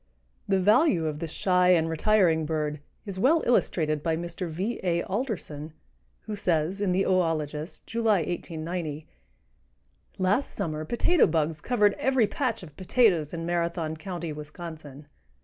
The value of this shy and retiring bird is well illustrated by Mr. V. A. Alderson, who says in the "Oologist" (July, 1890): "Last summer potato bugs covered every patch of potatoes in Marathon County, Wisconsin.